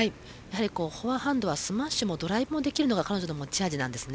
フォアハンドはスマッシュもドライブもできるのが彼女の持ち味なんですね。